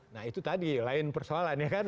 nah itu tadi lain persoalan ya kan